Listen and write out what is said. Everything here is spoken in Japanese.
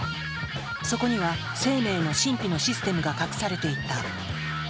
そこには、生命の神秘のシステムが隠されていた。